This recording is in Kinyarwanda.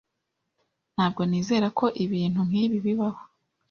Ntabwo nizera ko ibintu nkibi bibaho.